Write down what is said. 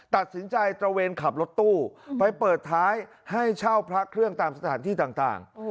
ตัดสินใจตระเวนขับรถตู้ไปเปิดท้ายให้เช่าพระเครื่องตามสถานที่ต่าง